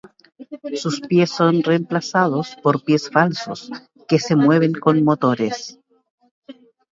Sus pies son reemplazados por pies falsos que se mueven con motores.